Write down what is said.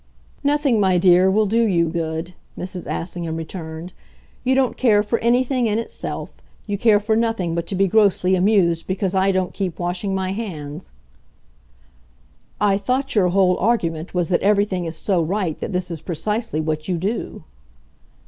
"Nothing, my dear, will do you good," Mrs. Assingham returned. "You don't care for anything in itself; you care for nothing but to be grossly amused because I don't keep washing my hands !" "I thought your whole argument was that everything is so right that this is precisely what you do."